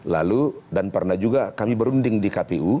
lalu dan pernah juga kami berunding di kpu